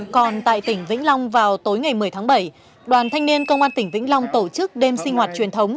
còn tại tỉnh vĩnh long vào tối ngày một mươi tháng bảy đoàn thanh niên công an tỉnh vĩnh long tổ chức đêm sinh hoạt truyền thống